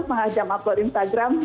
setengah jam upload instagram